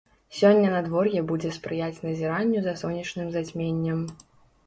Сёння надвор'е будзе спрыяць назіранню за сонечным зацьменнем.